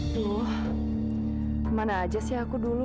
duh mana aja sih aku dulu